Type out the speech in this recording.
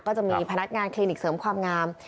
ก็จะมีพนักงานคลินิกเสริมความงาม